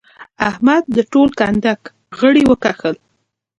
احمد د ټول کنډک غړي وکښل.